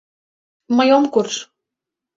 — Мый ом курж